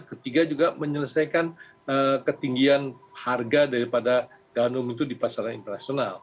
ketiga juga menyelesaikan ketinggian harga daripada gandum itu di pasaran internasional